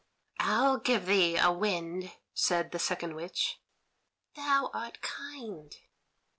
"I'll give thee a wind," said the second witch. "Thou art kind."